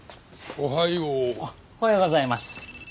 おはようございます。